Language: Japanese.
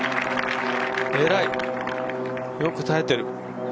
偉い、よく耐えてる。